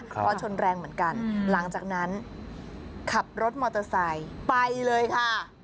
เพราะชนแรงเหมือนกันหลังจากนั้นขับรถมอเตอร์ไซค์ไปเลยค่ะ